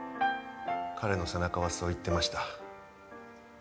彼の背中はそう言ってました。